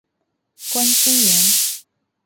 关心妍